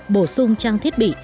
bổ sung trang thiết bị